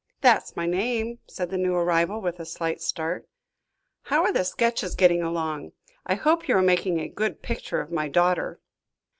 "That's my name," said the new arrival, with a slight start. "How are the sketches getting along? I hope you are making a good picture of my daughter."